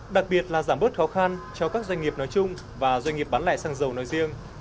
đặc biệt là giảm bớt khó khăn cho các doanh nghiệp nói chung và doanh nghiệp bán lại xăng dầu nói riêng